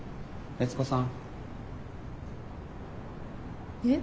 悦子さん